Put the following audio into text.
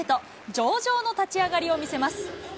上々の立ち上がりを見せます。